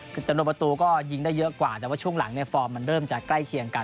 คือจำนวนประตูก็ยิงได้เยอะกว่าแต่ว่าช่วงหลังเนี่ยฟอร์มมันเริ่มจะใกล้เคียงกัน